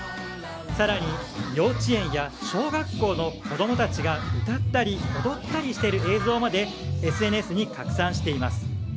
更に、幼稚園や小学校の子供たちが歌ったり踊ったりしている映像までＳＮＳに拡散しています。